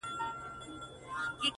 ستا له غزلونو زړه روغ پاته نه دی,